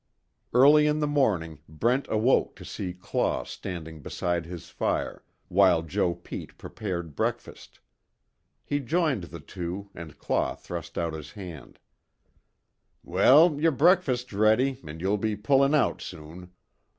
Early in the morning Brent awoke to see Claw standing beside his fire while Joe Pete prepared breakfast. He joined the two and Claw thrust out his hand: "Well, yer breakfast's ready an' you'll be pullin' out soon.